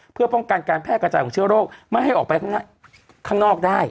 เพื่อป้องกันการแพร่กระจายของเชื้อโรคไม่ให้ออกไปข้างนอกได้